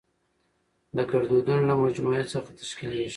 د ګړدودونو له مجموعه څخه تشکېليږي.